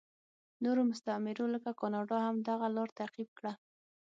نورو مستعمرو لکه کاناډا هم دغه لار تعقیب کړه.